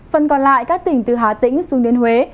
phần còn lại các tỉnh từ hà tĩnh xuống đến huế